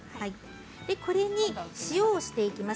これに塩をしていきます。